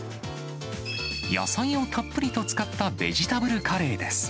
野菜をたっぷりと使ったベジタブルカレーです。